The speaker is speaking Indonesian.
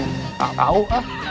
tak tau ah